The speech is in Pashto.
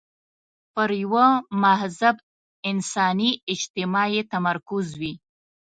پر یوه مهذب انساني اجتماع یې تمرکز وي.